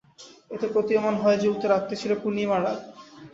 এতে প্রতীয়মান হয় যে, উক্ত রাতটি ছিল পূর্ণিমার রাত।